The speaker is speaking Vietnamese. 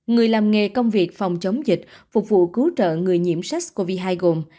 người làm nghề công việc phòng chống dịch phục vụ cứu trợ người nhiễm sars cov hai gồm